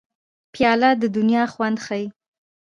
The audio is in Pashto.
پیاله د دنیا خوند ښيي.